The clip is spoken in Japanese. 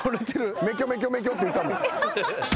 メキョメキョメキョっていったもん。